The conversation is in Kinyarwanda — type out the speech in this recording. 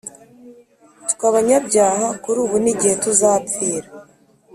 twe abanyabyaha kuri ubu n’igihe tuzapfira”